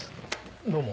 どうも。